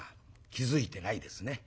気付いてないですね。